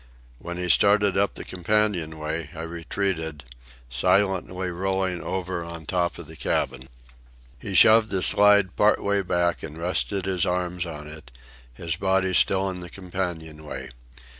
When he started up the companion way, I retreated, silently rolling over on top of the cabin. He shoved the slide part way back and rested his arms on it, his body still in the companion way.